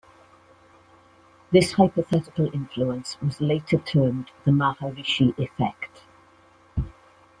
This hypothetical influence was later termed the Maharishi Effect.